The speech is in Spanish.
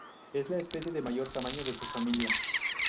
Es la especie de mayor tamaño de su familia.